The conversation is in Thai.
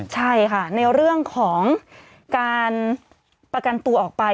ใช่ค่ะในเรื่องของการประกันตัวออกไป